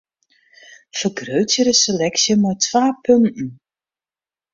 Fergrutsje de seleksje mei twa punten.